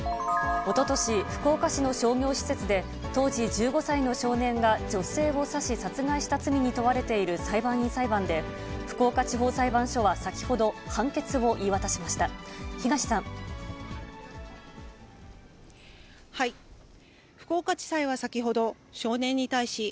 おととし、福岡市の商業施設で、当時１５歳の少年が女性を刺し、殺害した罪に問われている裁判員裁判で、福岡地方裁判所は先ほど、判決を言い渡しました。